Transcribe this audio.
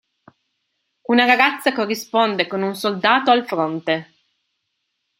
Una ragazza corrisponde con un soldato al fronte.